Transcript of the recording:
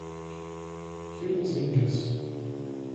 Rio dos Índios